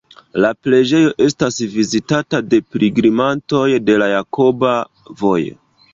La preĝejo estas vizitata de pilgrimantoj de la Jakoba Vojo.